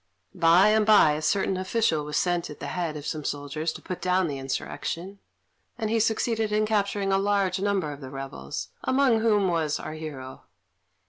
By and by, a certain official was sent at the head of some soldiers to put down the insurrection, and he succeeded in capturing a large number of the rebels, among whom was our hero.